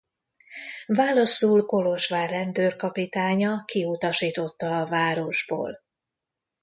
Válaszul Kolozsvár rendőrkapitánya kiutasította a városból.